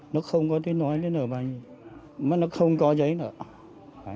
nó không có tiếng nói nữa nó không có giấy nữa